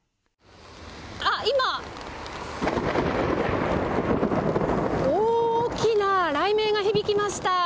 今、大きな雷鳴が響きました。